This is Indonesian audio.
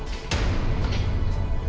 kasian tahu keatna